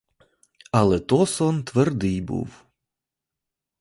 Але то сон твердий був!